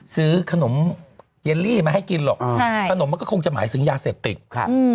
ซื้อขนมเยลลี่มาให้กินหรอกขนมมันก็คงจะหมายถึงยาเศรษฐกิจ